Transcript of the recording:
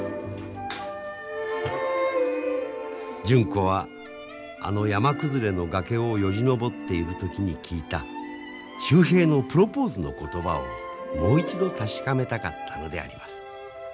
純子はあの山崩れの崖をよじ登っている時に聞いた秀平のプロポーズの言葉をもう一度確かめたかったのであります。